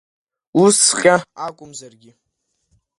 Усҵәҟьа акәымзаргьы…